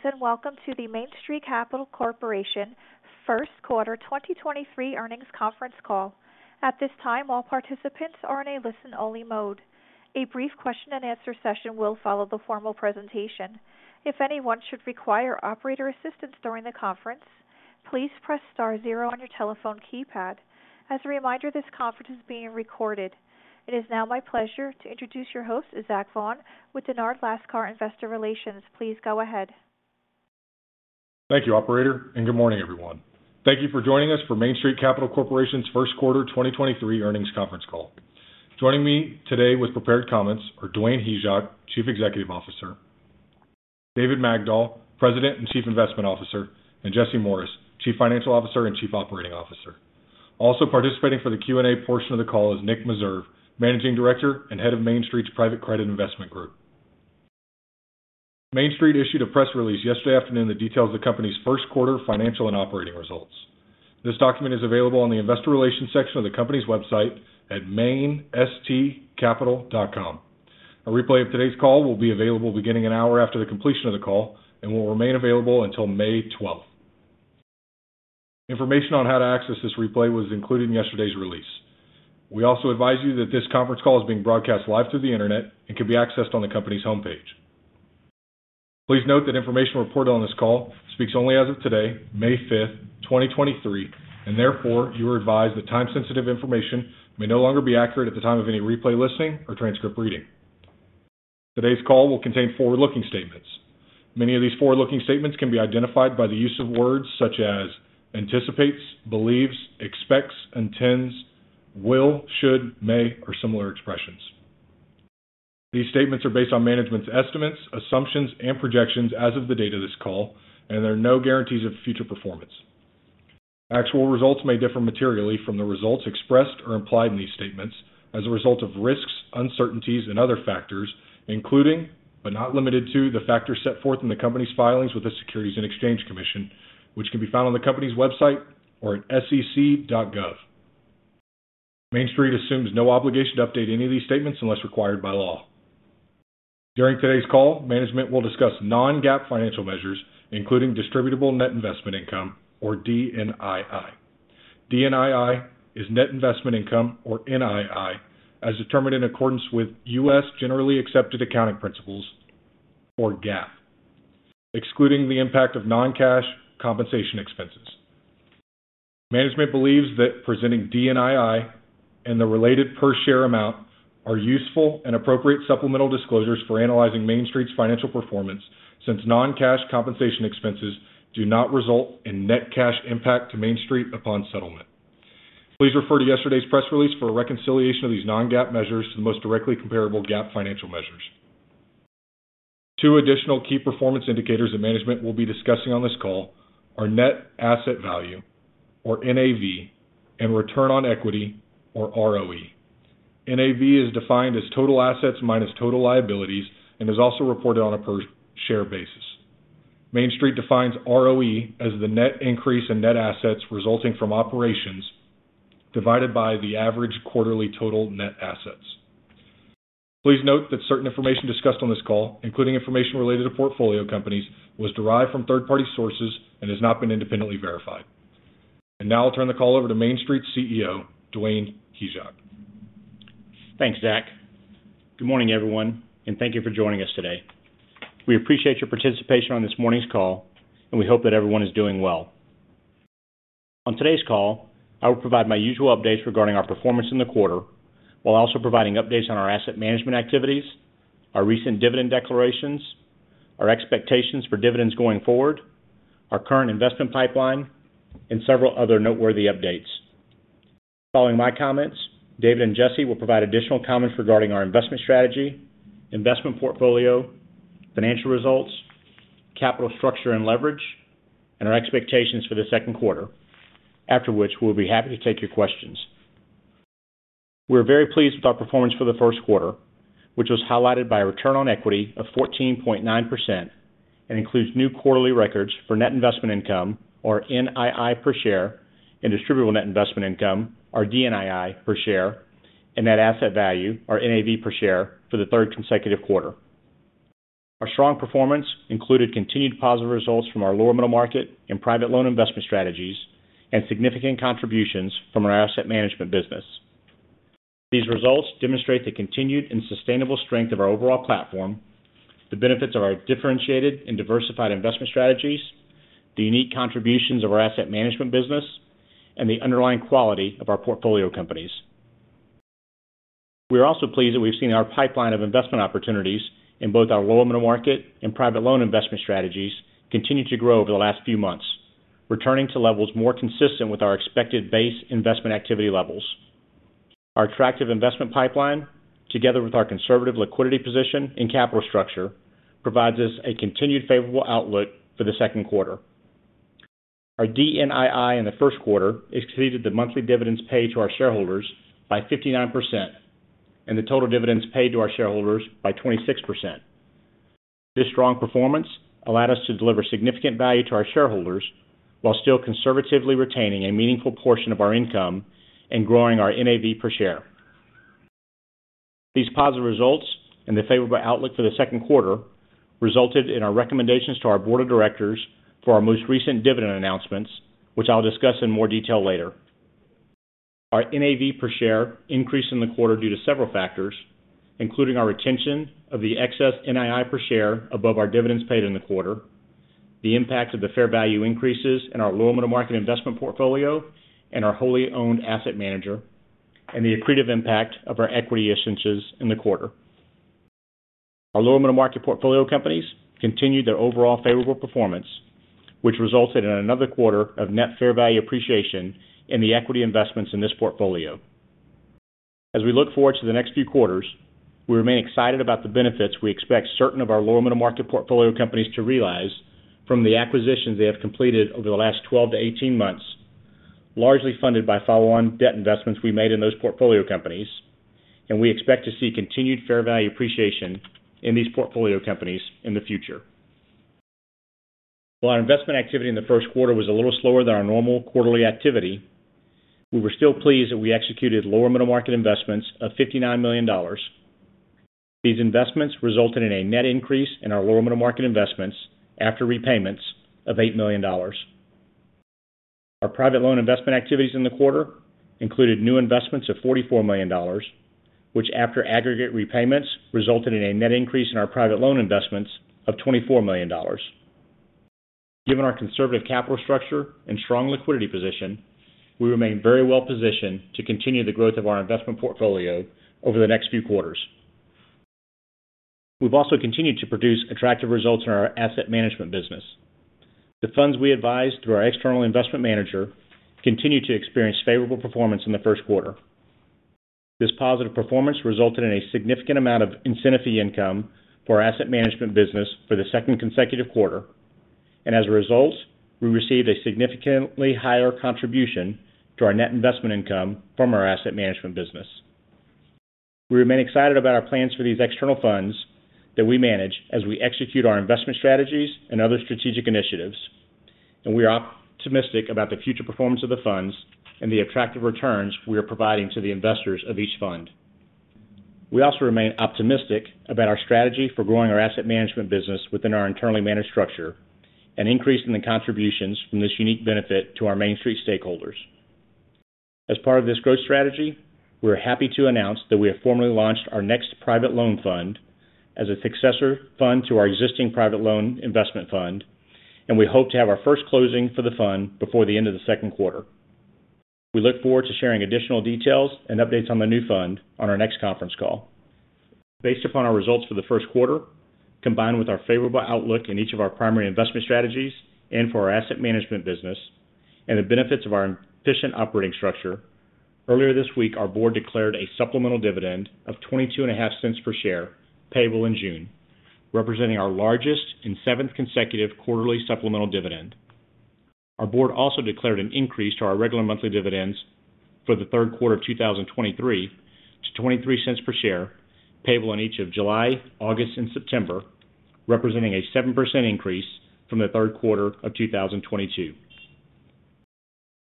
Greetings, welcome to the Main Street Capital Corporation 1Q 2023 earnings conference call. At this time, all participants are in a listen-only mode. A brief question-and-answer session will follow the formal presentation. If anyone should require operator assistance during the conference, please press star zero on your telephone keypad. As a reminder, this conference is being recorded. It is now my pleasure to introduce your host, Zach Vaughan, with Dennard Lascar Investor Relations. Please go ahead. Thank you, operator. Good morning, everyone. Thank you for joining us for Main Street Capital Corporation's 1Q 2023 earnings conference call. Joining me today with prepared comments are Dwayne Hyzak, Chief Executive Officer; David Magdol, President and Chief Investment Officer; and Jesse Morris, Chief Financial Officer and Chief Operating Officer. Also participating for the Q&A portion of the call is Nick Meserve, Managing Director and Head of Main Street's Private Credit Investment Group. Main Street issued a press release yesterday afternoon that details the company's 1Q financial and operating results. This document is available on the investor relations section of the company's website at mainstcapital.com A replay of today's call will be available beginning an hour after the completion of the call and will remain available until May 12th. Information on how to access this replay was included in yesterday's release. We also advise you that this conference call is being broadcast live through the Internet and can be accessed on the company's homepage. Please note that information reported on this call speaks only as of today, May 5, 2023, and therefore you are advised that time-sensitive information may no longer be accurate at the time of any replay listening or transcript reading. Today's call will contain forward-looking statements. Many of these forward-looking statements can be identified by the use of words such as anticipates, believes, expects, intends, will, should, may, or similar expressions. These statements are based on management's estimates, assumptions, and projections as of the date of this call, and there are no guarantees of future performance. Actual results may differ materially from the results expressed or implied in these statements as a result of risks, uncertainties, and other factors, including, but not limited to, the factors set forth in the company's filings with the Securities and Exchange Commission, which can be found on the company's website or at sec.gov. Main Street assumes no obligation to update any of these statements unless required by law. During today's call, management will discuss non-GAAP financial measures, including distributable net investment income, or DNII. DNII is net investment income, or NII, as determined in accordance with U.S. generally accepted accounting principles, or GAAP, excluding the impact of non-cash compensation expenses. Management believes that presenting DNII and the related per share amount are useful and appropriate supplemental disclosures for analyzing Main Street's financial performance, since non-cash compensation expenses do not result in net cash impact to Main Street upon settlement. Please refer to yesterday's press release for a reconciliation of these non-GAAP measures to the most directly comparable GAAP financial measures. Two additional key performance indicators that management will be discussing on this call are net asset value, or NAV, and return on equity, or ROE. NAV is defined as total assets minus total liabilities and is also reported on a per share basis. Main Street defines ROE as the net increase in net assets resulting from operations divided by the average quarterly total net assets. Please note that certain information discussed on this call, including information related to portfolio companies, was derived from third-party sources and has not been independently verified. Now I'll turn the call over to Main Street's CEO, Dwayne Hyzak. Thanks, Zach. Good morning, everyone, and thank you for joining us today. We appreciate your participation on this morning's call, and we hope that everyone is doing well. On today's call, I will provide my usual updates regarding our performance in the quarter while also providing updates on our asset management activities, our recent dividend declarations, our expectations for dividends going forward, our current investment pipeline, and several other noteworthy updates. Following my comments, David and Jesse will provide additional comments regarding our investment strategy, investment portfolio, financial results, capital structure and leverage, and our expectations for the 2Q After which, we'll be happy to take your questions. We're very pleased with our performance for the 1Q, which was highlighted by a return on equity of 14.9% and includes new quarterly records for net investment income, or NII per share, and distributable net investment income, or DNII per share, and net asset value, or NAV per share, for the third consecutive quarter. Our strong performance included continued positive results from our lower middle market and private loan investment strategies and significant contributions from our asset management business. These results demonstrate the continued and sustainable strength of our overall platform, the benefits of our differentiated and diversified investment strategies, the unique contributions of our asset management business, and the underlying quality of our portfolio companies. We are also pleased that we've seen our pipeline of investment opportunities in both our lower middle market and private loan investment strategies continue to grow over the last few months, returning to levels more consistent with our expected base investment activity levels. Our attractive investment pipeline, together with our conservative liquidity position and capital structure, provides us a continued favorable outlook for the 2Q. Our DNII in the Q1 exceeded the monthly dividends paid to our shareholders by 59% and the total dividends paid to our shareholders by 26%. This strong performance allowed us to deliver significant value to our shareholders while still conservatively retaining a meaningful portion of our income and growing our NAV per share. These positive results and the favorable outlook for the Q2 resulted in our recommendations to our board of directors for our most recent dividend announcements, which I'll discuss in more detail later. Our NAV per share increased in the quarter due to several factors, including our retention of the excess NII per share above our dividends paid in the quarter, the impact of the fair value increases in our lower middle market investment portfolio and our wholly owned asset manager, and the accretive impact of our equity issuances in the quarter. Our lower middle market portfolio companies continued their overall favorable performance, which resulted in another quarter of net fair value appreciation in the equity investments in this portfolio. As we look forward to the next few quarters, we remain excited about the benefits we expect certain of our lower middle market portfolio companies to realize from the acquisitions they have completed over the last 12-18 months, largely funded by follow-on debt investments we made in those portfolio companies, and we expect to see continued fair value appreciation in these portfolio companies in the future. While our investment activity in the Q1 was a little slower than our normal quarterly activity, we were still pleased that we executed lower middle market investments of $59 million. These investments resulted in a net increase in our lower middle market investments after repayments of $8 million. Our private loan investment activities in the quarter included new investments of $44 million, which, after aggregate repayments, resulted in a net increase in our private loan investments of $24 million. Given our conservative capital structure and strong liquidity position, we remain very well positioned to continue the growth of our investment portfolio over the next few quarters. We've also continued to produce attractive results in our asset management business. The funds we advise through our external investment manager continued to experience favorable performance in the Q1. This positive performance resulted in a significant amount of incentive fee income for our asset management business for the second consecutive quarter. As a result, we received a significantly higher contribution to our net investment income from our asset management business. We remain excited about our plans for these external funds that we manage as we execute our investment strategies and other strategic initiatives. We are optimistic about the future performance of the funds and the attractive returns we are providing to the investors of each fund. We also remain optimistic about our strategy for growing our asset management business within our internally managed structure and increasing the contributions from this unique benefit to our Main Street stakeholders. As part of this growth strategy, we are happy to announce that we have formally launched our next private loan fund as a successor fund to our existing private loan investment fund. We hope to have our first closing for the fund before the end of the Q2. We look forward to sharing additional details and updates on the new fund on our next conference call. Based upon our results for the Q1, combined with our favorable outlook in each of our primary investment strategies and for our asset management business, and the benefits of our efficient operating structure, earlier this week, our board declared a supplemental dividend of twenty-two and a half cents per share payable in June, representing our largest and seventh consecutive quarterly supplemental dividend. Our board also declared an increase to our regular monthly dividends for the third quarter of 2023 to $0.23 per share payable in each of July, August, and September, representing a 7% increase from the third quarter of 2022.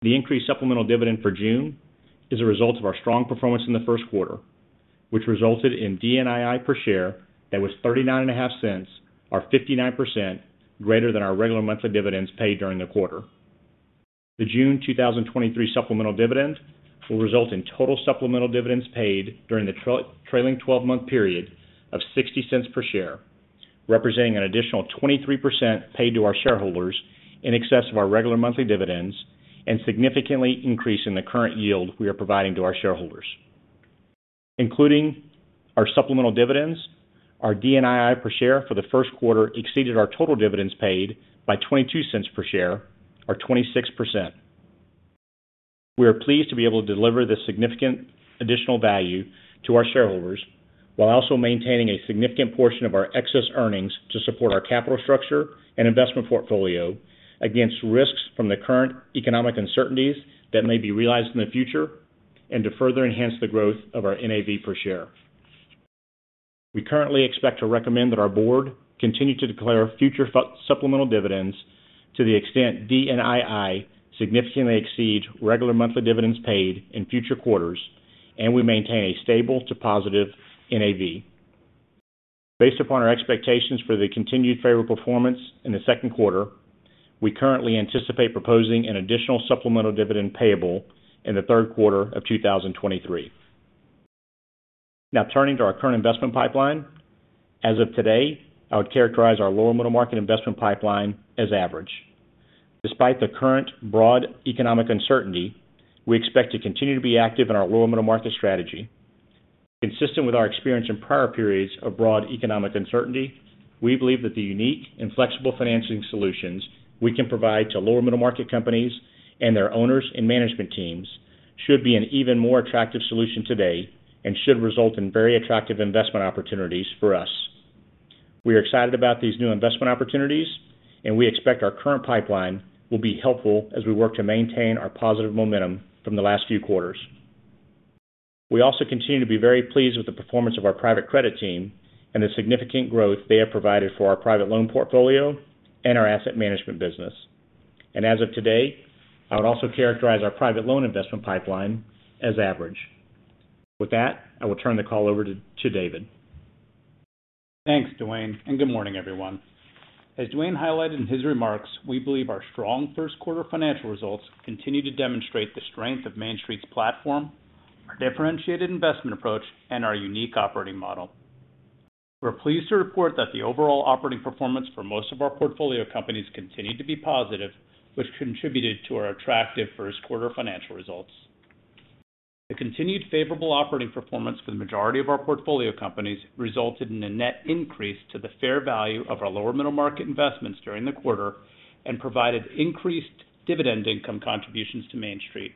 The increased supplemental dividend for June is a result of our strong performance in the Q1, which resulted in DNII per share that was $0.395, or 59% greater than our regular monthly dividends paid during the quarter. The June 2023 supplemental dividend will result in total supplemental dividends paid during the trailing twelve-month period of $0.60 per share, representing an additional 23% paid to our shareholders in excess of our regular monthly dividends and significantly increasing the current yield we are providing to our shareholders. Including our supplemental dividends, our DNII per share for the Q1 exceeded our total dividends paid by $0.22 per share, or 26%. We are pleased to be able to deliver this significant additional value to our shareholders while also maintaining a significant portion of our excess earnings to support our capital structure and investment portfolio against risks from the current economic uncertainties that may be realized in the future and to further enhance the growth of our NAV per share. We currently expect to recommend that our board continue to declare future supplemental dividends to the extent DNII significantly exceed regular monthly dividends paid in future quarters, and we maintain a stable to positive NAV. Based upon our expectations for the continued favorable performance in the Q2, we currently anticipate proposing an additional supplemental dividend payable in the third quarter of 2023. Turning to our current investment pipeline. As of today, I would characterize our lower middle market investment pipeline as average. Despite the current broad economic uncertainty, we expect to continue to be active in our lower middle market strategy. Consistent with our experience in prior periods of broad economic uncertainty, we believe that the unique and flexible financing solutions we can provide to lower middle market companies and their owners and management teams should be an even more attractive solution today and should result in very attractive investment opportunities for us. We are excited about these new investment opportunities. We expect our current pipeline will be helpful as we work to maintain our positive momentum from the last few quarters. We also continue to be very pleased with the performance of our Private Credit Team and the significant growth they have provided for our private loan portfolio and our asset management business. As of today, I would also characterize our private loan investment pipeline as average. With that, I will turn the call over to David. Thanks, Dwayne. Good morning, everyone. As Dwayne highlighted in his remarks, we believe our strong Q1 financial results continue to demonstrate the strength of Main Street's platform, our differentiated investment approach, and our unique operating model. We're pleased to report that the overall operating performance for most of our portfolio companies continued to be positive, which contributed to our attractive Q1 financial results. The continued favorable operating performance for the majority of our portfolio companies resulted in a net increase to the fair value of our lower middle market investments during the quarter and provided increased dividend income contributions to Main Street.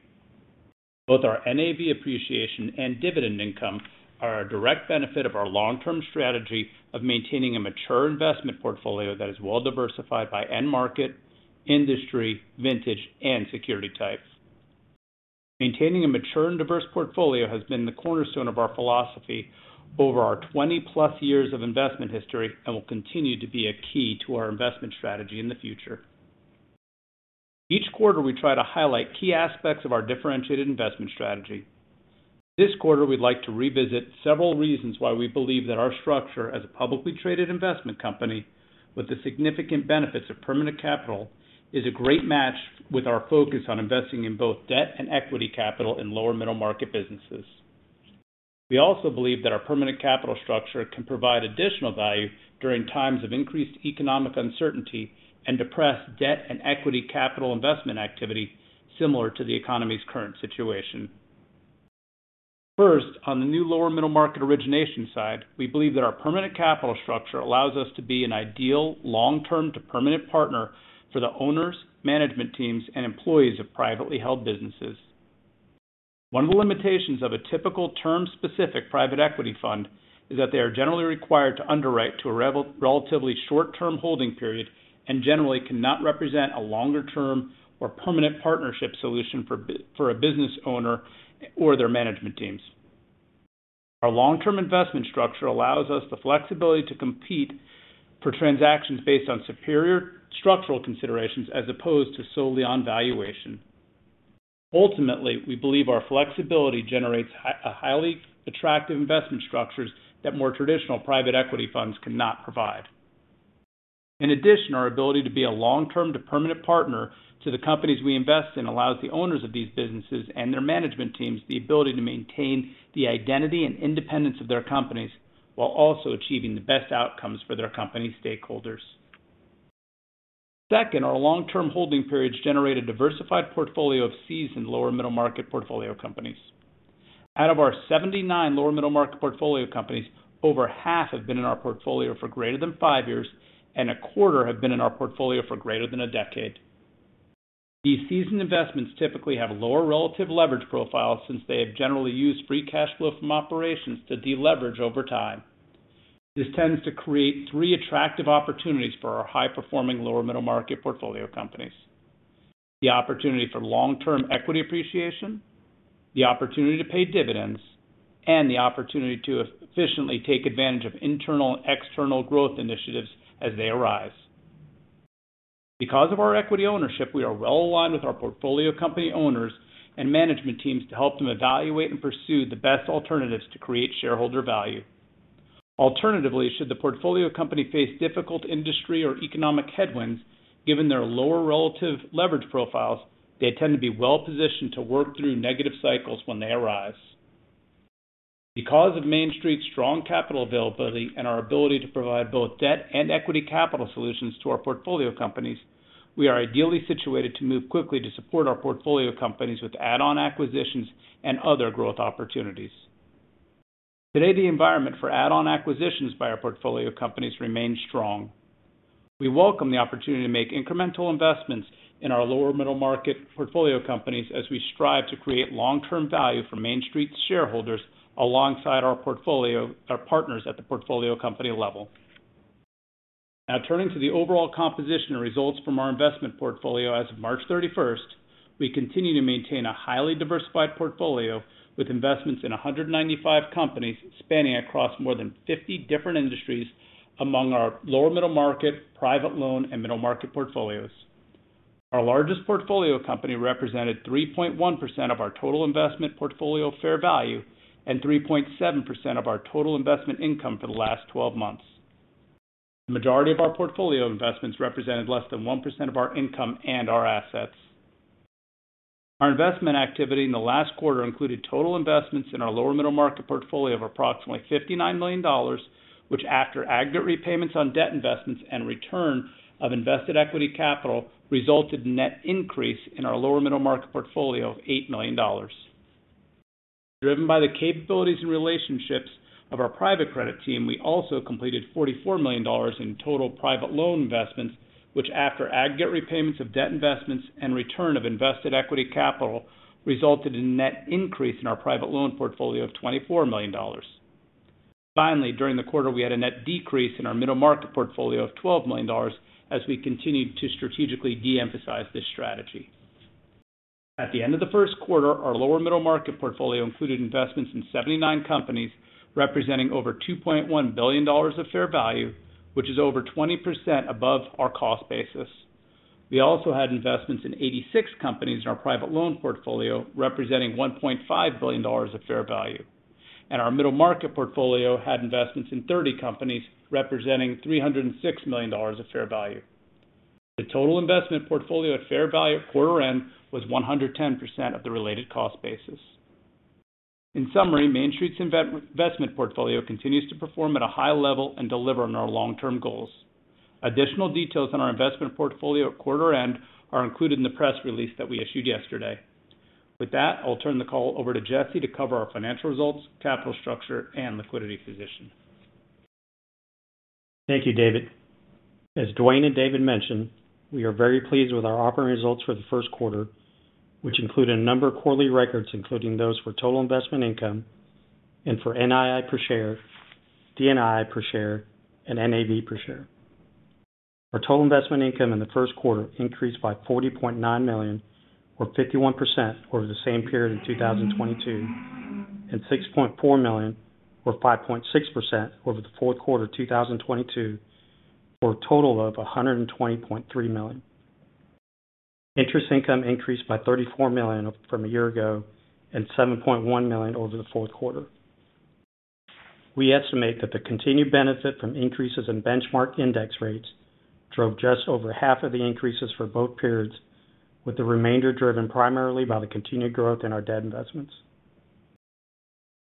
Both our NAV appreciation and dividend income are a direct benefit of our long-term strategy of maintaining a mature investment portfolio that is well-diversified by end market, industry, vintage, and security types. Maintaining a mature and diverse portfolio has been the cornerstone of our philosophy over our 20-plus years of investment history and will continue to be a key to our investment strategy in the future. Each quarter, we try to highlight key aspects of our differentiated investment strategy. This quarter, we'd like to revisit several reasons why we believe that our structure as a publicly traded investment company with the significant benefits of permanent capital is a great match with our focus on investing in both debt and equity capital in lower middle market businesses. We also believe that our permanent capital structure can provide additional value during times of increased economic uncertainty and depressed debt and equity capital investment activity similar to the economy's current situation. First, on the new lower middle market origination side, we believe that our permanent capital structure allows us to be an ideal long-term to permanent partner for the owners, management teams, and employees of privately held businesses. One of the limitations of a typical term-specific private equity fund is that they are generally required to underwrite to a relatively short-term holding period and generally cannot represent a longer-term or permanent partnership solution for a business owner or their management teams. Our long-term investment structure allows us the flexibility to compete for transactions based on superior structural considerations as opposed to solely on valuation. Ultimately, we believe our flexibility generates a highly attractive investment structures that more traditional private equity funds cannot provide. In addition, our ability to be a long-term to permanent partner to the companies we invest in allows the owners of these businesses and their management teams the ability to maintain the identity and independence of their companies while also achieving the best outcomes for their company stakeholders. Second, our long-term holding periods generate a diversified portfolio of seasoned lower middle market portfolio companies. Out of our 79 lower middle market portfolio companies, over half have been in our portfolio for greater than five years, and a quarter have been in our portfolio for greater than a decade. These seasoned investments typically have lower relative leverage profiles since they have generally used free cash flow from operations to deleverage over time. This tends to create three attractive opportunities for our high-performing lower middle market portfolio companies: the opportunity for long-term equity appreciation, the opportunity to pay dividends, and the opportunity to efficiently take advantage of internal and external growth initiatives as they arise. Because of our equity ownership, we are well aligned with our portfolio company owners and management teams to help them evaluate and pursue the best alternatives to create shareholder value. Alternatively, should the portfolio company face difficult industry or economic headwinds, given their lower relative leverage profiles, they tend to be well-positioned to work through negative cycles when they arise. Because of Main Street's strong capital availability and our ability to provide both debt and equity capital solutions to our portfolio companies, we are ideally situated to move quickly to support our portfolio companies with add-on acquisitions and other growth opportunities. Today, the environment for add-on acquisitions by our portfolio companies remains strong. We welcome the opportunity to make incremental investments in our lower middle market portfolio companies as we strive to create long-term value for Main Street's shareholders alongside our partners at the portfolio company level. Turning to the overall composition and results from our investment portfolio as of March 31st, we continue to maintain a highly diversified portfolio with investments in 195 companies spanning across more than 50 different industries among our lower middle market, private loan, and middle market portfolios. Our largest portfolio company represented 3.1% of our total investment portfolio fair value and 3.7% of our total investment income for the last 12 months. The majority of our portfolio investments represented less than 1% of our income and our assets. Our investment activity in the last quarter included total investments in our lower middle market portfolio of approximately $59 million, which, after aggregate repayments on debt investments and return of invested equity capital, resulted in net increase in our lower middle market portfolio of $8 million. Driven by the capabilities and relationships of our Private Credit Team, we also completed $44 million in total private loan investments, which, after aggregate repayments of debt investments and return of invested equity capital, resulted in net increase in our private loan portfolio of $24 million. During the quarter, we had a net decrease in our middle market portfolio of $12 million as we continued to strategically de-emphasize this strategy. At the end of the Q1, our lower middle market portfolio included investments in 79 companies representing over $2.1 billion of fair value, which is over 20% above our cost basis. We also had investments in 86 companies in our private loan portfolio, representing $1.5 billion of fair value. Our middle market portfolio had investments in 30 companies representing $306 million of fair value. The total investment portfolio at fair value at quarter end was 110% of the related cost basis. In summary, Main Street's investment portfolio continues to perform at a high level and deliver on our long-term goals. Additional details on our investment portfolio at quarter end are included in the press release that we issued yesterday. With that, I'll turn the call over to Jesse to cover our financial results, capital structure, and liquidity position. Thank you, David. As Dwayne and David mentioned, we are very pleased with our operating results for the Q1, which include a number of quarterly records, including those for total investment income and for NII per share, DNII per share, and NAV per share. Our total investment income in the Q1 increased by $40.9 million or 51% over the same period in 2022 and $6.4 million or 5.6% over the fourth quarter of 2022, for a total of $120.3 million. Interest income increased by $34 million from a year ago and $7.1 million over the fourth quarter. We estimate that the continued benefit from increases in benchmark index rates drove just over half of the increases for both periods, with the remainder driven primarily by the continued growth in our debt investments.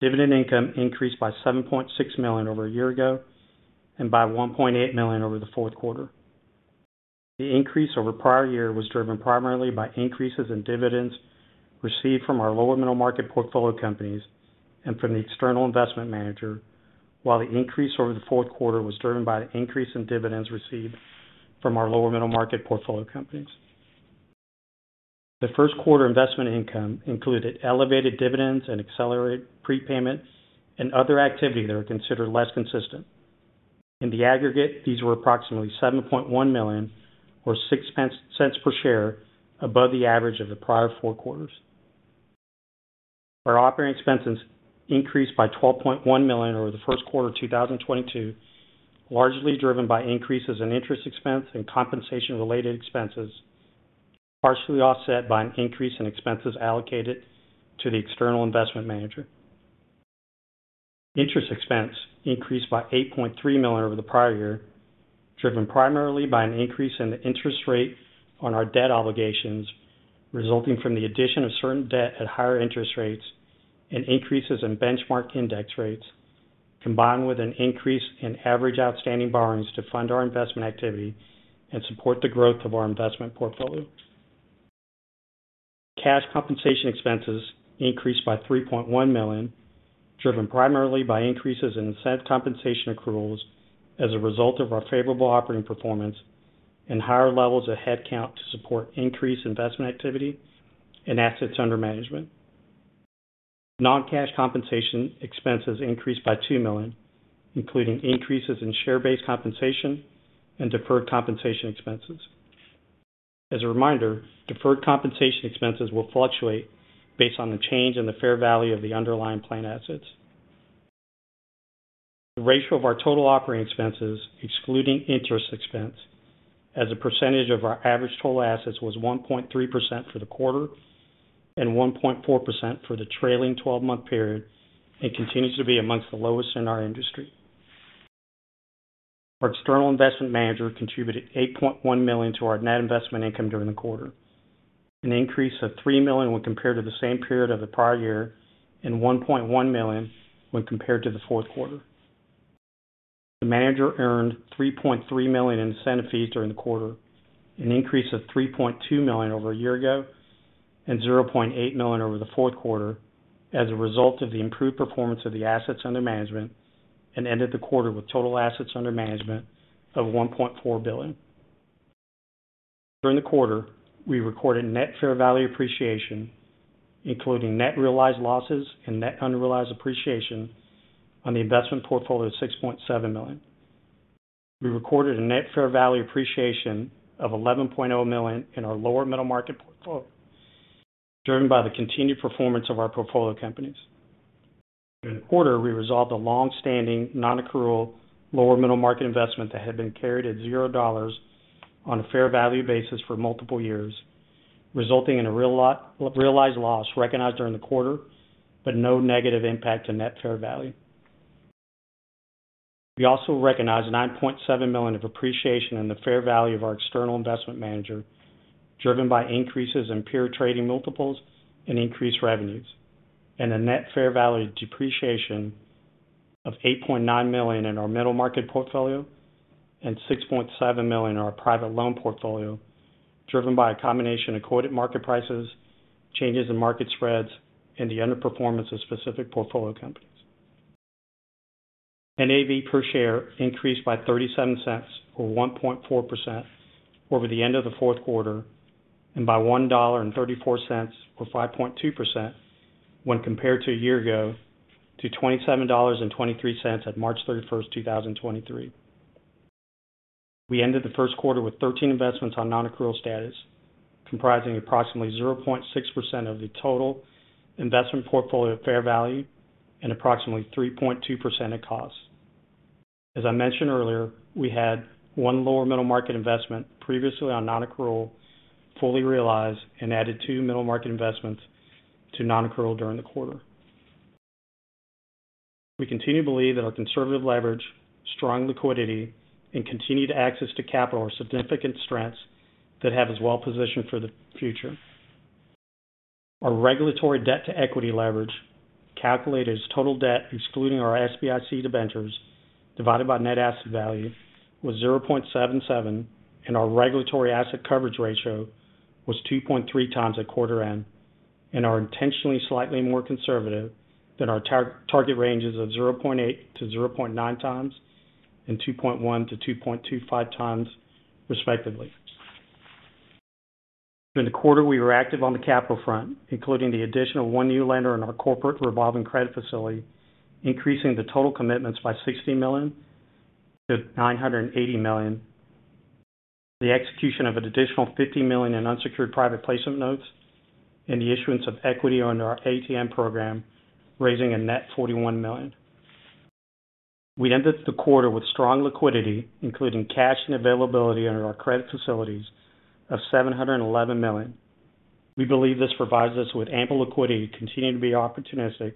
Dividend income increased by $7.6 million over a year ago and by $1.8 million over the fourth quarter. The increase over prior year was driven primarily by increases in dividends received from our lower middle market portfolio companies and from the external investment manager. The increase over the fourth quarter was driven by the increase in dividends received from our lower middle market portfolio companies. The Q1 investment income included elevated dividends and accelerated prepayments and other activity that are considered less consistent. In the aggregate, these were approximately $7.1 million or $0.06 per share above the average of the prior four quarters. Our operating expenses increased by $12.1 million over the Q1 of 2022, largely driven by increases in interest expense and compensation-related expenses, partially offset by an increase in expenses allocated to the external investment manager. Interest expense increased by $8.3 million over the prior year, driven primarily by an increase in the interest rate on our debt obligations, resulting from the addition of certain debt at higher interest rates and increases in benchmark index rates, combined with an increase in average outstanding borrowings to fund our investment activity and support the growth of our investment portfolio. Cash compensation expenses increased by $3.1 million, driven primarily by increases in incentive compensation accruals as a result of our favorable operating performance and higher levels of headcount to support increased investment activity and assets under management. Non-cash compensation expenses increased by $2 million, including increases in share-based compensation and deferred compensation expenses. As a reminder, deferred compensation expenses will fluctuate based on the change in the fair value of the underlying plan assets. The ratio of our total operating expenses excluding interest expense as a percentage of our average total assets was 1.3% for the quarter and 1.4% for the trailing twelve-month period and continues to be amongst the lowest in our industry. Our external investment manager contributed $8.1 million to our net investment income during the quarter, an increase of $3 million when compared to the same period of the prior year and $1.1 million when compared to the fourth quarter. The manager earned $3.3 million in incentive fees during the quarter, an increase of $3.2 million over a year ago and $0.8 million over the fourth quarter as a result of the improved performance of the assets under management and ended the quarter with total assets under management of $1.4 billion. During the quarter, we recorded net fair value appreciation, including net realized losses and net unrealized appreciation on the investment portfolio of $6.7 million. We recorded a net fair value appreciation of $11.0 million in our lower middle market portfolio, driven by the continued performance of our portfolio companies. During the quarter, we resolved a long-standing non-accrual lower middle market investment that had been carried at $0 on a fair value basis for multiple years, resulting in a realized loss recognized during the quarter, but no negative impact to net fair value. We also recognized $9.7 million of appreciation in the fair value of our external investment manager, driven by increases in peer trading multiples and increased revenues, and a net fair value depreciation of $8.9 million in our middle market portfolio and $6.7 million in our private loan portfolio, driven by a combination of quoted market prices, changes in market spreads, and the underperformance of specific portfolio companies. NAV per share increased by $0.37 or 1.4% over the end of the fourth quarter and by $1.34 or 5.2% when compared to a year ago to $27.23 on March 31, 2023. We ended the Q1 with 13 investments on non-accrual status, comprising approximately 0.6% of the total investment portfolio fair value and approximately 3.2% at cost. As I mentioned earlier, we had one lower middle market investment previously on non-accrual, fully realized and added two middle market investments to non-accrual during the quarter. We continue to believe that our conservative leverage, strong liquidity, and continued access to capital are significant strengths that have us well positioned for the future. Our regulatory debt-to-equity leverage, calculated as total debt excluding our SBIC debentures divided by net asset value, was 0.77, and our regulatory asset coverage ratio was 2.3 times at quarter end and are intentionally slightly more conservative than our target ranges of 0.8-0.9 times and 2.1-2.25 times respectively. During the quarter, we were active on the capital front, including the addition of one new lender in our corporate revolving credit facility, increasing the total commitments by $60 million to $980 million. The execution of an additional $50 million in unsecured private placement notes and the issuance of equity under our ATM program, raising a net $41 million. We ended the quarter with strong liquidity, including cash and availability under our credit facilities of $711 million. We believe this provides us with ample liquidity to continue to be opportunistic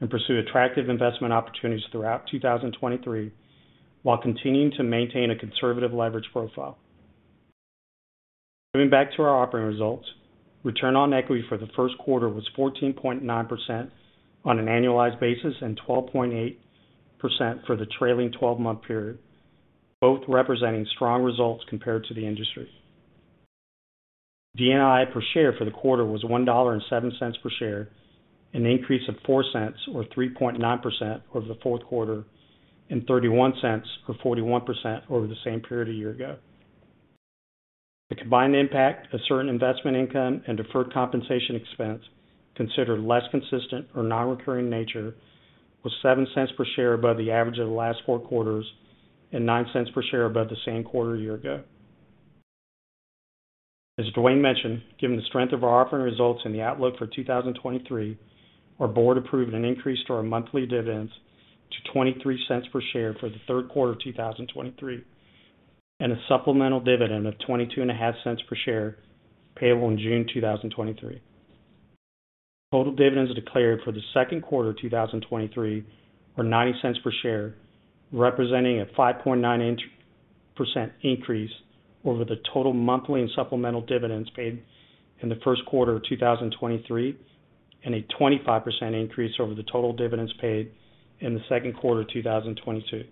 and pursue attractive investment opportunities throughout 2023, while continuing to maintain a conservative leverage profile. Going back to our operating results, return on equity for the Q1 was 14.9% on an annualized basis and 12.8% for the trailing twelve-month period, both representing strong results compared to the industry. DNI per share for the quarter was $1.07 per share, an increase of $0.04 or 3.9% over the fourth quarter, and $0.31 or 41% over the same period a year ago. The combined impact of certain investment income and deferred compensation expense considered less consistent or non-recurring nature was $0.07 per share above the average of the last 4 quarters and $0.09 per share above the same quarter a year ago. As Dwayne mentioned, given the strength of our operating results and the outlook for 2023, our board approved an increase to our monthly dividends to $0.23 per share for the 3rd quarter of 2023 and a supplemental dividend of $0.225 per share payable in June 2023. Total dividends declared for the Q2 of 2023 were $0.09 per share, representing a 5.9% increase over the total monthly and supplemental dividends paid in the Q1 of 2023, a 25% increase over the total dividends paid in the Q2 of 2022.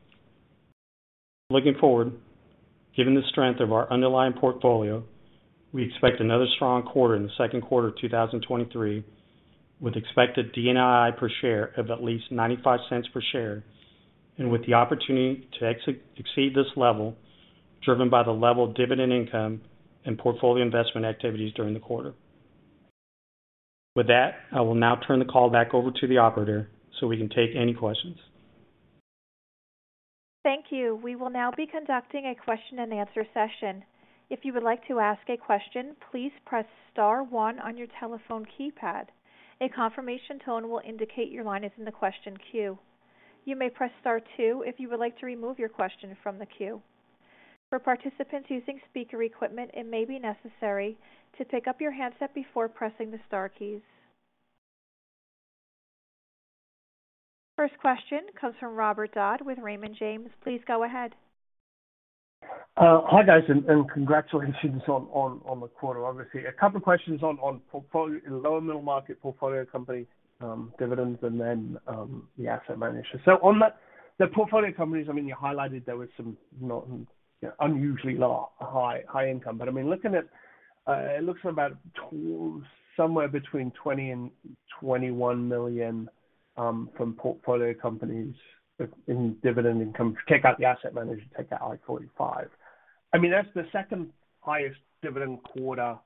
Looking forward, given the strength of our underlying portfolio, we expect another strong quarter in the Q2 of 2023, with expected DNI per share of at least $0.95 per share and with the opportunity to exceed this level, driven by the level of dividend income and portfolio investment activities during the quarter. With that, I will now turn the call back over to the operator, so we can take any questions. Thank you. We will now be conducting a question-and-answer session. If you would like to ask a question, please press star one on your telephone keypad. A confirmation tone will indicate your line is in the question queue. You may press star two if you would like to remove your question from the queue. For participants using speaker equipment, it may be necessary to pick up your handset before pressing the star keys. First question comes from Robert Dodd with Raymond James. Please go ahead. Hi, guys, and congratulations on the quarter. Obviously, a couple of questions on lower middle market portfolio company dividends and then the asset manager. On that, the portfolio companies, I mean, you highlighted there was some not unusually high income. I mean, looking at, it looks about tools somewhere between $20 million and $21 million from portfolio companies in dividend income. Take out the asset manager, take out one-45. I mean, that's the second highest dividend quarter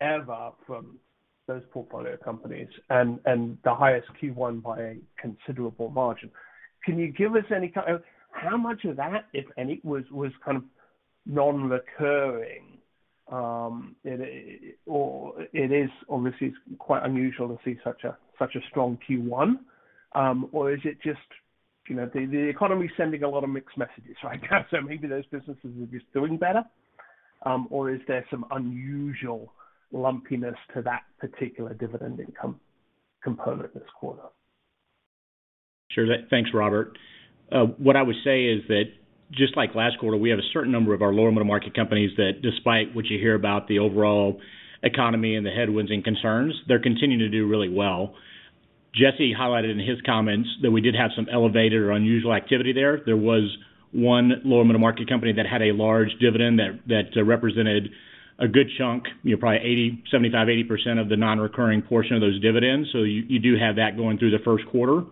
ever from those portfolio companies and the highest Q1 by a considerable margin. Can you give us any How much of that, if any, was kind of non-recurring? Or it is obviously quite unusual to see such a strong Q1. Is it just, you know, the economy is sending a lot of mixed messages, right? Maybe those businesses are just doing better, or is there some unusual lumpiness to that particular dividend income component this quarter? Sure. Thanks, Robert. What I would say is that just like last quarter, we have a certain number of our lower middle market companies that despite what you hear about the overall economy and the headwinds and concerns, they're continuing to do really well. Jesse highlighted in his comments that we did have some elevated or unusual activity there. There was one lower middle market company that had a large dividend that represented a good chunk, you know, probably 75%-80% of the non-recurring portion of those dividends. You do have that going through the Q1.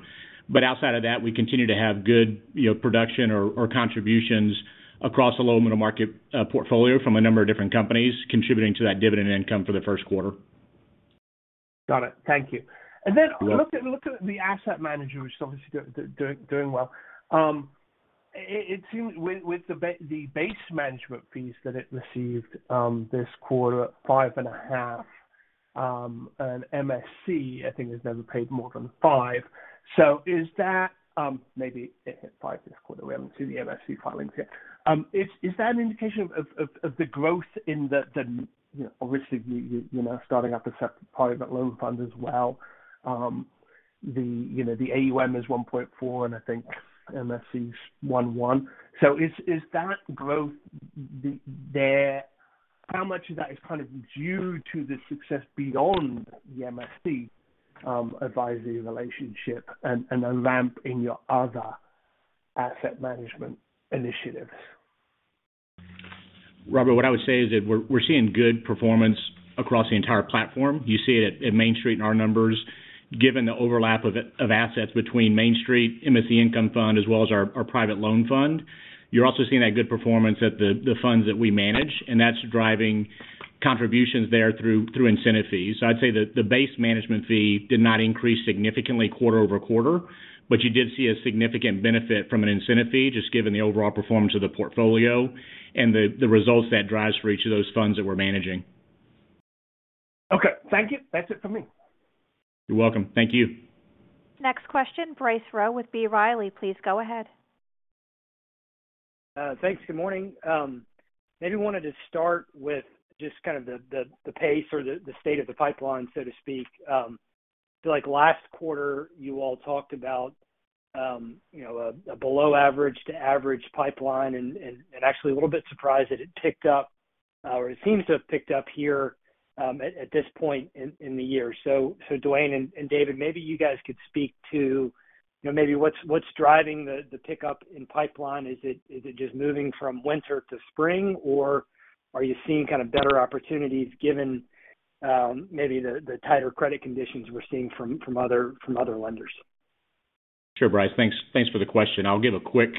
Outside of that, we continue to have good, you know, production or contributions across the lower middle market portfolio from a number of different companies contributing to that dividend income for the Q1. Got it. Thank you. Yeah. Looked at the asset manager, which is obviously doing well. It seems with the base management fees that it received this quarter at $5.5, and MSC, I think, has never paid more than $5. Is that, maybe it hit $5 this quarter. We haven't seen the MSC filings yet. Is that an indication of the growth in the, you know, obviously you know, starting up a private loan fund as well. The AUM is $1.4, and I think MSC is $1.1. Is that growth there? How much of that is kind of due to the success beyond the MSC advisory relationship and a ramp in your other asset management initiatives? Robert, what I would say is that we're seeing good performance across the entire platform. You see it at Main Street in our numbers, given the overlap of assets between Main Street, MSC Income Fund, as well as our private loan fund. You're also seeing that good performance at the funds that we manage, and that's driving contributions there through incentive fees. I'd say that the base management fee did not increase significantly quarter-over-quarter. You did see a significant benefit from an incentive fee, just given the overall performance of the portfolio and the results that drives for each of those funds that we're managing. Okay. Thank you. That's it for me. You're welcome. Thank you. Next question, Bryce Rowe with B. Riley. Please go ahead. Thanks. Good morning. Maybe wanted to start with just kind of the pace or the state of the pipeline, so to speak. Feel like last quarter you all talked about, you know, a below average to average pipeline and actually a little bit surprised that it picked up or it seems to have picked up here at this point in the year. Dwayne and David, maybe you guys could speak to, you know, what's driving the pickup in pipeline. Is it just moving from winter to spring, or are you seeing kind of better opportunities given maybe the tighter credit conditions we're seeing from other lenders? Sure, Bryce. Thanks for the question. I'll give a quick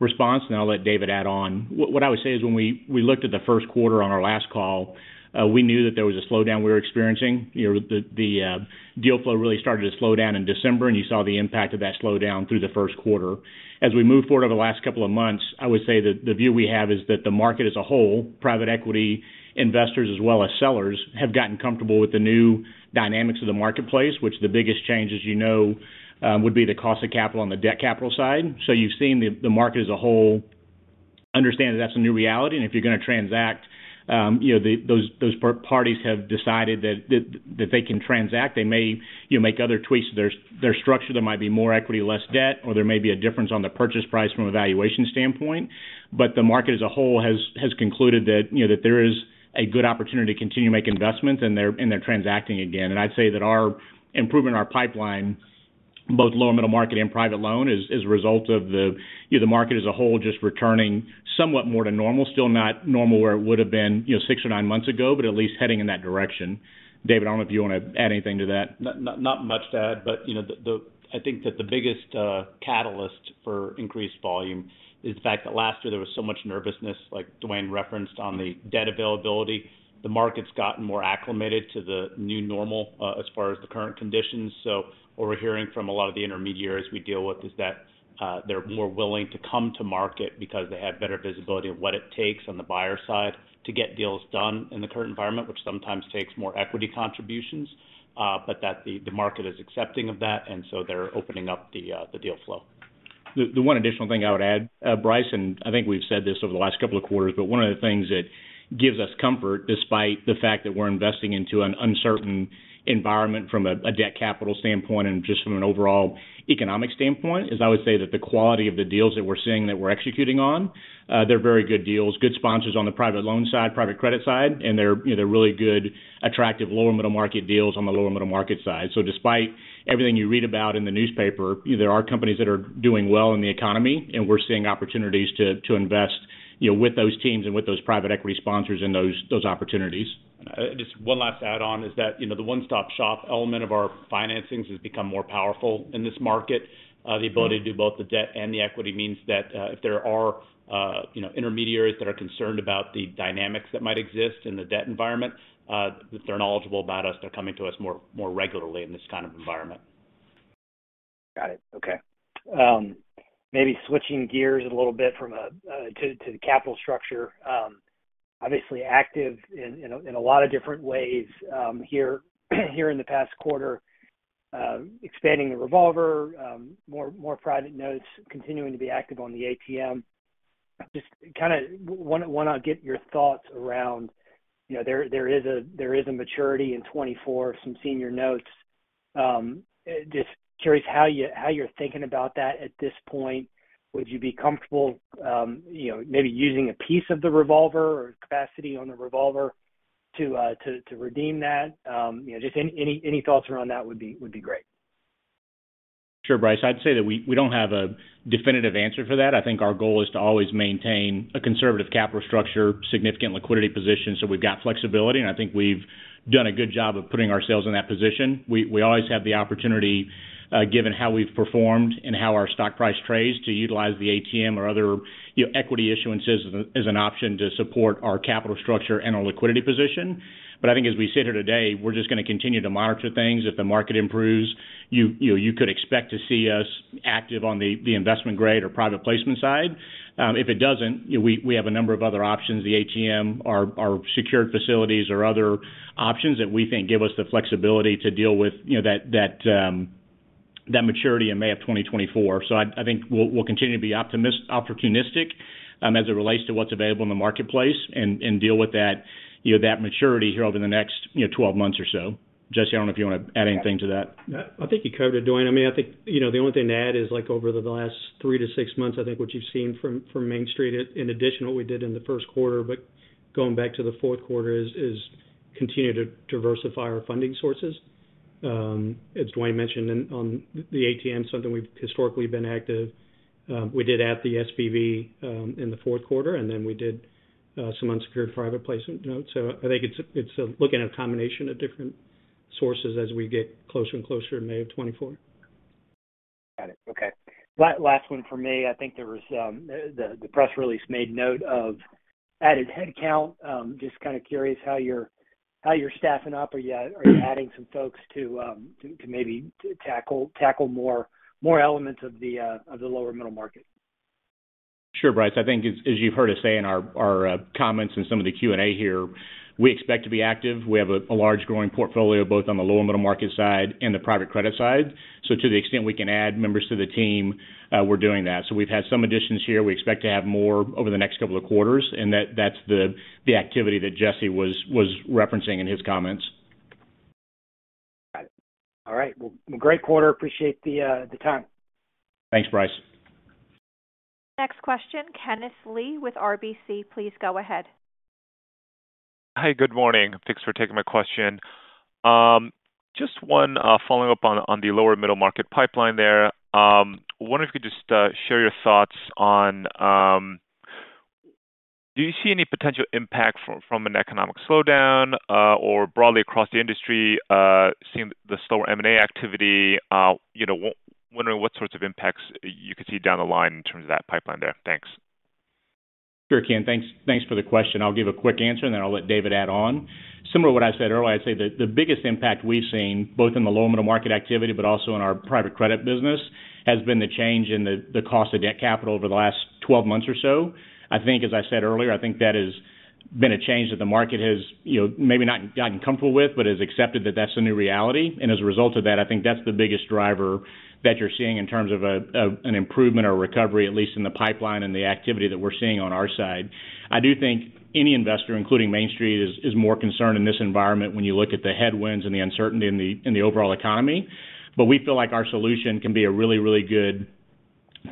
response, and I'll let David add on. What I would say is when we looked at the Q1 on our last call, we knew that there was a slowdown we were experiencing. You know, the deal flow really started to slow down in December. You saw the impact of that slowdown through the Q1. As we moved forward over the last couple of months, I would say that the view we have is that the market as a whole, private equity investors as well as sellers, have gotten comfortable with the new dynamics of the marketplace, which the biggest change, as you know, would be the cost of capital on the debt capital side. You've seen the market as a whole understand that that's a new reality, and if you're gonna transact, you know, those parties have decided that they can transact. They may, you know, make other tweaks to their structure. There might be more equity, less debt, or there may be a difference on the purchase price from a valuation standpoint. The market as a whole has concluded that, you know, that there is a good opportunity to continue to make investments, and they're transacting again. I'd say that our improvement in our pipeline, both lower middle market and private loan is a result of the market as a whole just returning somewhat more to normal. Still not normal where it would've been, you know, six or nine months ago, but at least heading in that direction. David, I don't know if you wanna add anything to that. Not much to add. You know, I think that the biggest catalyst for increased volume is the fact that last year there was so much nervousness, like Dwayne referenced, on the debt availability. The market's gotten more acclimated to the new normal, as far as the current conditions. What we're hearing from a lot of the intermediaries we deal with is that they're more willing to come to market because they have better visibility of what it takes on the buyer side to get deals done in the current environment, which sometimes takes more equity contributions. That the market is accepting of that, and so they're opening up the deal flow. The one additional thing I would add, Bryce, and I think we've said this over the last couple of quarters, but one of the things that gives us comfort despite the fact that we're investing into an uncertain environment from a debt capital standpoint and just from an overall economic standpoint, is I would say that the quality of the deals that we're seeing, that we're executing on, they're very good deals. Good sponsors on the private loan side, Private Credit side, and they're, you know, they're really good, attractive lower middle market deals on the lower middle market side. Despite everything you read about in the newspaper, there are companies that are doing well in the economy, and we're seeing opportunities to invest, you know, with those teams and with those private equity sponsors and those opportunities. Just one last add-on is that, you know, the one-stop-shop element of our financings has become more powerful in this market. The ability to do both the debt and the equity means that, if there are, you know, intermediaries that are concerned about the dynamics that might exist in the debt environment, if they're knowledgeable about us, they're coming to us more regularly in this kind of environment. Got it. Okay. Maybe switching gears a little bit to the capital structure. Obviously active in a lot of different ways, here in the past quarter. Expanding the revolver, private notes continuing to be active on the ATM. Just kinda wanna get your thoughts around, you know, there is a maturity in 2024, some senior notes. Just curious how you're thinking about that at this point. Would you be comfortable, you know, maybe using a piece of the revolver or capacity on the revolver to redeem that? You know, just any thoughts around that would be great. Sure, Bryce. I'd say that we don't have a definitive answer for that. I think our goal is to always maintain a conservative capital structure, significant liquidity position, so we've got flexibility, and I think we've done a good job of putting ourselves in that position. We always have the opportunity, given how we've performed and how our stock price trades to utilize the ATM or other, you know, equity issuances as an option to support our capital structure and our liquidity position. I think as we sit here today, we're just gonna continue to monitor things. If the market improves, you know, you could expect to see us active on the investment grade or private placement side. If it doesn't, you know, we have a number of other options. The ATM, our secured facilities or other options that we think give us the flexibility to deal with, you know, that maturity in May of 2024. I think we'll continue to be opportunistic, as it relates to what's available in the marketplace and deal with that, you know, that maturity here over the next, you know, 12 months or so. Jesse, I don't know if you wanna add anything to that. Yeah. I think you covered it, Dwayne. I mean, I think, you know, the only thing to add is, like, over the last three to six months, I think what you've seen from Main Street, in addition to what we did in the Q1, but going back to the fourth quarter is continue to diversify our funding sources. As Dwayne mentioned, on the ATM, something we've historically been active. We did add the SPV in the fourth quarter, and then we did some unsecured private placement notes. I think it's looking at a combination of different sources as we get closer and closer to May of 2024. Got it. Okay. Last one for me. I think there was the press release made note of added headcount. Just kind of curious how you're staffing up. Are you adding some folks to maybe to tackle more elements of the lower middle market? Sure, Bryce. I think as you've heard us say in our comments in some of the Q&A here, we expect to be active. We have a large growing portfolio, both on the lower middle market side and the private credit side. To the extent we can add members to the team, we're doing that. We've had some additions here. We expect to have more over the next couple of quarters, and that's the activity that Jesse was referencing in his comments. Got it. All right. Well, great quarter. Appreciate the time. Thanks, Bryce. Next question, Kenneth Lee with RBC, please go ahead. Hi. Good morning. Thanks for taking my question. Just one, following up on the lower middle market pipeline there. Wondering if you could just share your thoughts on, do you see any potential impact from an economic slowdown, or broadly across the industry, seeing the slower M&A activity, you know, wondering what sorts of impacts you could see down the line in terms of that pipeline there? Thanks. Sure, Ken. Thanks for the question. I'll give a quick answer, and then I'll let David add on. Similar to what I said earlier, I'd say the biggest impact we've seen, both in the lower middle market activity but also in our private credit business, has been the change in the cost of debt capital over the last 12 months or so. I think as I said earlier, I think that has been a change that the market has, you know, maybe not gotten comfortable with but has accepted that that's the new reality. As a result of that, I think that's the biggest driver that you're seeing in terms of an improvement or recovery, at least in the pipeline and the activity that we're seeing on our side. I do think any investor, including Main Street, is more concerned in this environment when you look at the headwinds and the uncertainty in the overall economy. But we feel like our solution can be a really good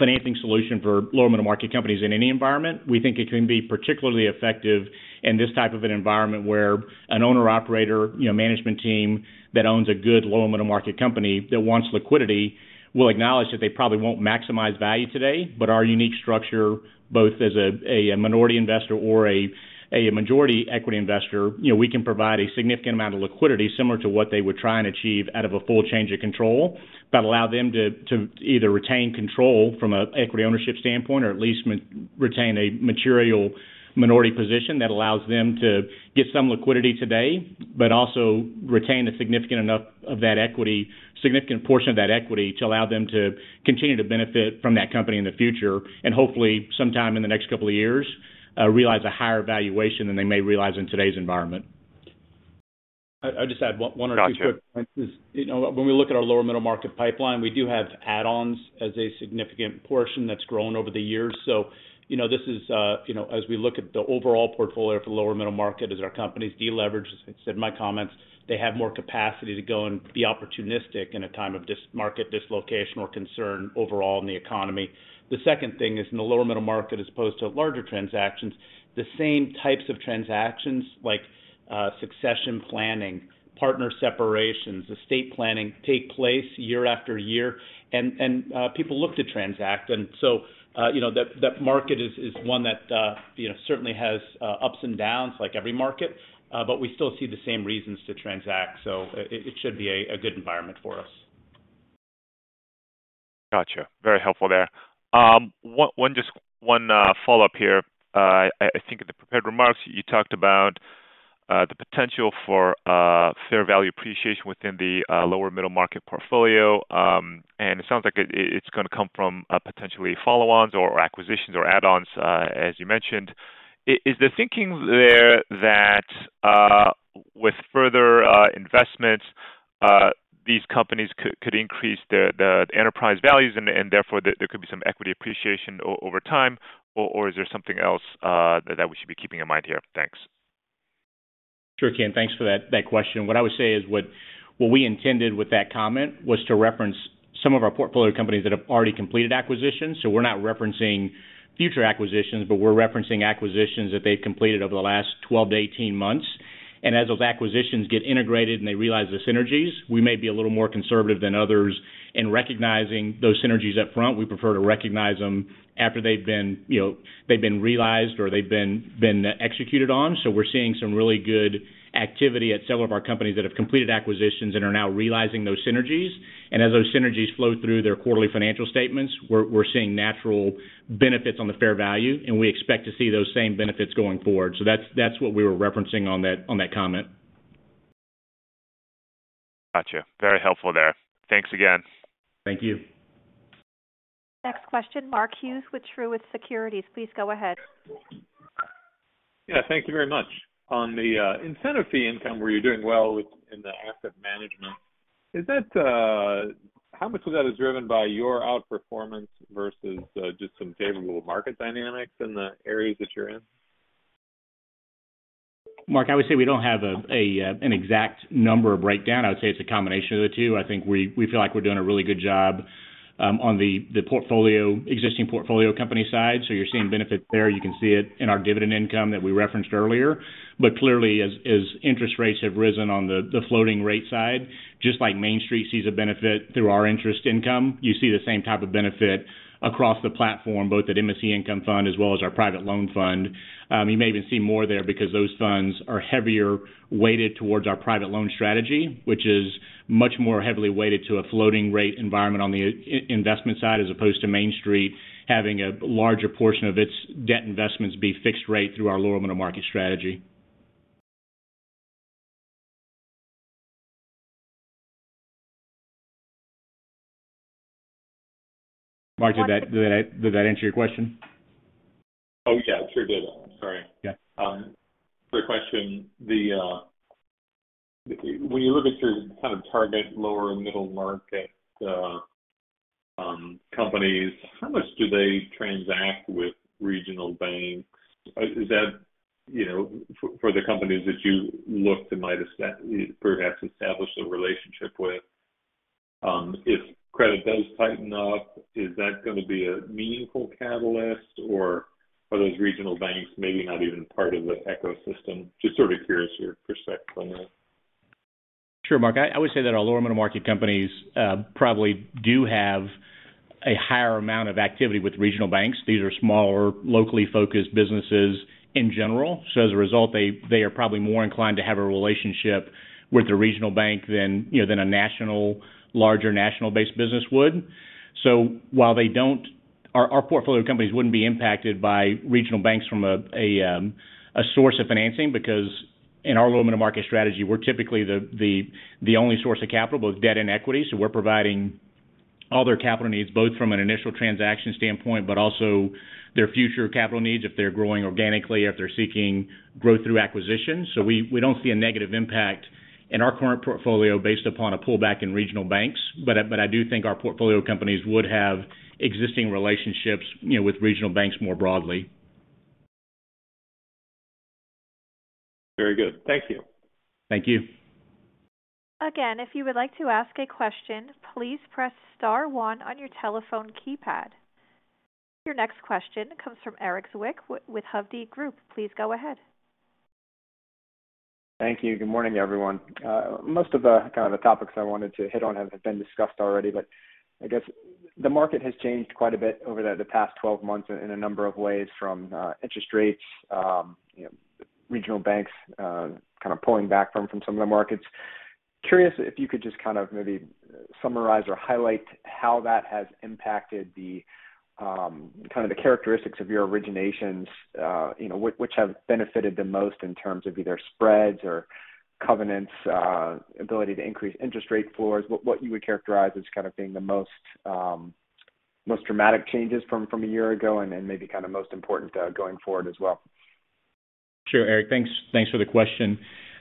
financing solution for lower middle market companies in any environment. We think it can be particularly effective in this type of an environment where an owner-operator, you know, management team that owns a good lower middle market company that wants liquidity will acknowledge that they probably won't maximize value today. Our unique structure, both as a minority investor or a majority equity investor, you know, we can provide a significant amount of liquidity similar to what they would try and achieve out of a full change of control, but allow them to either retain control from a equity ownership standpoint or at least retain a material minority position that allows them to get some liquidity today, but also retain a significant portion of that equity to allow them to continue to benefit from that company in the future, and hopefully sometime in the next couple of years, realize a higher valuation than they may realize in today's environment. I'll just add one or two quick points. Gotcha. You know, when we look at our lower middle market pipeline, we do have add-ons as a significant portion that's grown over the years. You know, this is, you know, as we look at the overall portfolio for lower middle market, as our companies deleverage, as I said in my comments, they have more capacity to go and be opportunistic in a time of market dislocation or concern overall in the economy. The second thing is in the lower middle market, as opposed to larger transactions, the same types of transactions, like succession planning, partner separations, estate planning, take place year after year. People look to transact. You know, that market is one that, you know, certainly has ups and downs like every market. We still see the same reasons to transact, so it should be a good environment for us. Gotcha. Very helpful there. One just one follow-up here. I think in the prepared remarks, you talked about the potential for fair value appreciation within the lower middle market portfolio. It sounds like it's gonna come from potentially follow-ons or acquisitions or add-ons, as you mentioned. Is the thinking there that with further investments, these companies could increase the enterprise values and therefore there could be some equity appreciation over time, or is there something else that we should be keeping in mind here? Thanks. Sure, Ken. Thanks for that question. What I would say is what we intended with that comment was to reference some of our portfolio companies that have already completed acquisitions. We're not referencing future acquisitions, but we're referencing acquisitions that they've completed over the last 12 to 18 months. As those acquisitions get integrated and they realize the synergies, we may be a little more conservative than others in recognizing those synergies up front. We prefer to recognize them after they've been, you know, they've been realized or they've been executed on. We're seeing some really good activity at several of our companies that have completed acquisitions and are now realizing those synergies. As those synergies flow through their quarterly financial statements, we're seeing natural benefits on the fair value, and we expect to see those same benefits going forward. That's what we were referencing on that, on that comment. Gotcha. Very helpful there. Thanks again. Thank you. Next question, Mark Hughes with Truist Securities. Please go ahead. Yeah, thank you very much. On the incentive fee income, where you're doing well in the asset management, is that? How much of that is driven by your outperformance versus just some favorable market dynamics in the areas that you're in? Mark, I would say we don't have an exact number of breakdown. I would say it's a combination of the two. I think we feel like we're doing a really good job on the existing portfolio company side. You're seeing benefits there. You can see it in our dividend income that we referenced earlier. Clearly, as interest rates have risen on the floating rate side, just like Main Street sees a benefit through our interest income, you see the same type of benefit across the platform, both at MSC Income Fund as well as our private loan fund. You may even see more there because those funds are heavier weighted towards our private loan strategy, which is much more heavily weighted to a floating rate environment on the investment side, as opposed to Main Street having a larger portion of its debt investments be fixed rate through our lower middle market strategy. Mark, did that answer your question? Oh, yeah, it sure did. I'm sorry. Yeah. Third question. When you look at your kind of target lower middle market companies, how much do they transact with regional banks? Is that, you know, for the companies that you look to perhaps establish a relationship with, if credit does tighten up, is that gonna be a meaningful catalyst, or are those regional banks maybe not even part of the ecosystem? Just sort of curious your perspective on that. Sure, Mark. I would say that our lower middle market companies probably do have a higher amount of activity with regional banks. These are smaller, locally focused businesses in general. As a result, they are probably more inclined to have a relationship with a regional bank than, you know, than a national, larger national-based business would. While Our portfolio companies wouldn't be impacted by regional banks from a source of financing because in our lower middle market strategy, we're typically the only source of capital, both debt and equity. We're providing all their capital needs, both from an initial transaction standpoint, but also their future capital needs if they're growing organically or if they're seeking growth through acquisitions. We don't see a negative impact in our current portfolio based upon a pullback in regional banks. I do think our portfolio companies would have existing relationships, you know, with regional banks more broadly. Very good. Thank you. Thank you. Again, if you would like to ask a question, please press star one on your telephone keypad. Your next question comes from Erik Zwick with Hovde Group. Please go ahead. Thank you. Good morning, everyone. Most of the kind of the topics I wanted to hit on have been discussed already. I guess the market has changed quite a bit over the past 12 months in a number of ways, from interest rates, you know, regional banks, kind of pulling back from some of the markets. Curious if you could just kind of maybe summarize or highlight how that has impacted the kind of the characteristics of your originations, you know, which have benefited the most in terms of either spreads or covenants, ability to increase interest rate floors. What you would characterize as kind of being the most dramatic changes from a year ago and maybe kind of most important going forward as well. Sure, Erik. Thanks for the question.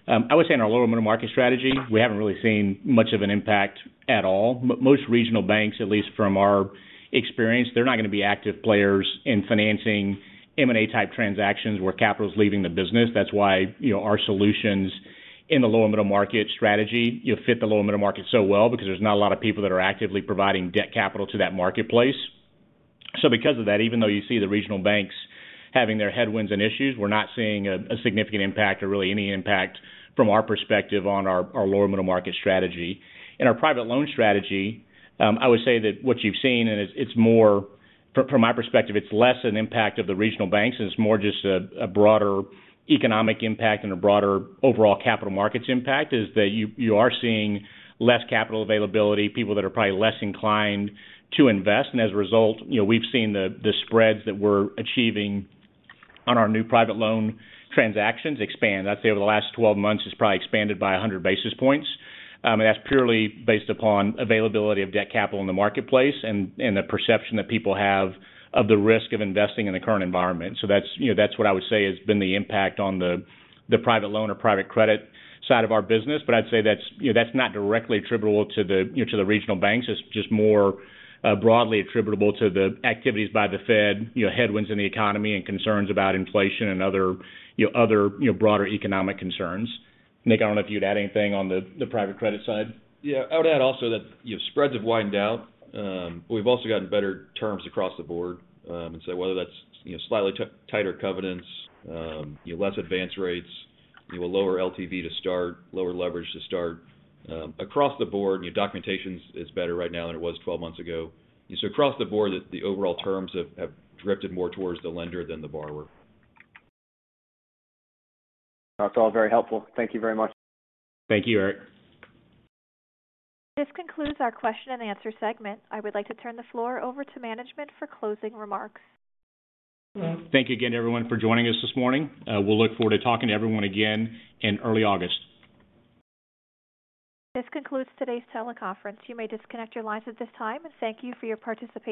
I would say in our lower middle market strategy, we haven't really seen much of an impact at all. Most regional banks, at least from our experience, they're not gonna be active players in financing M&A type transactions where capital is leaving the business. That's why, you know, our solutions in the lower middle market strategy, you know, fit the lower middle market so well because there's not a lot of people that are actively providing debt capital to that marketplace. Because of that, even though you see the regional banks having their headwinds and issues, we're not seeing a significant impact or really any impact from our perspective on our lower middle market strategy. In our private loan strategy, I would say that what you've seen, and it's more... From my perspective, it's less an impact of the regional banks, it's more just a broader economic impact and a broader overall capital markets impact, is that you are seeing less capital availability, people that are probably less inclined to invest. As a result, you know, we've seen the spreads that we're achieving on our new private loan transactions expand. I'd say over the last 12 months, it's probably expanded by 100 basis points. That's purely based upon availability of debt capital in the marketplace and the perception that people have of the risk of investing in the current environment. That's, you know, that's what I would say has been the impact on the private loan or private credit side of our business. I'd say that's, you know, that's not directly attributable to the, you know, to the regional banks. It's just more broadly attributable to the activities by the Fed, you know, headwinds in the economy and concerns about inflation and other, you know, other, you know, broader economic concerns. Nick, I don't know if you'd add anything on the private credit side. Yeah. I would add also that, you know, spreads have widened out. We've also gotten better terms across the board. Whether that's, you know, slightly tighter covenants, less advanced rates, you know, a lower LTV to start, lower leverage to start. Across the board, you know, documentation is better right now than it was 12 months ago. Across the board, the overall terms have drifted more towards the lender than the borrower. That's all very helpful. Thank you very much. Thank you, Erik. This concludes our question and answer segment. I would like to turn the floor over to management for closing remarks. Thank you again, everyone, for joining us this morning. We'll look forward to talking to everyone again in early August. This concludes today's teleconference. You may disconnect your lines at this time. Thank you for your participation.